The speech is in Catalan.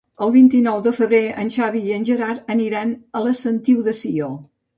El vint-i-nou de febrer en Xavi i en Gerard aniran a la Sentiu de Sió.